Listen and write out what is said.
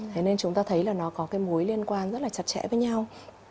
thế nên chúng ta thấy là nó có cái mối liên quan rất là chặt chẽ với nhau